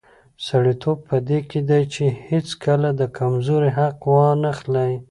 سړیتوب په دې کې دی چې هیڅکله د کمزوري حق وانخلي.